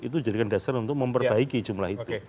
itu jadikan dasar untuk memperbaiki jumlah itu